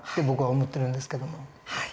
僕は思ってるんですけども。